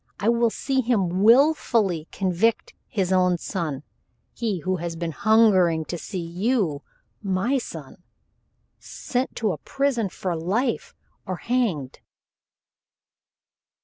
I will see him willfully convict his own son he who has been hungering to see you my son sent to a prison for life or hanged."